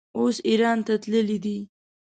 اوس ایران ته تللی دی.